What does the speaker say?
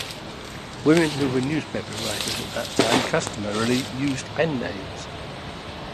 Women who were newspaper writers at that time customarily used pen names.